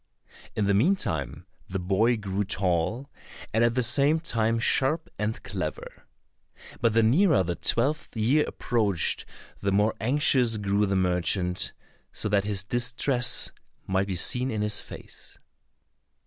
In the meantime the boy grew tall, and at the same time sharp and clever. But the nearer the twelfth year approached the more anxious grew the merchant, so that his distress might be seen in his face.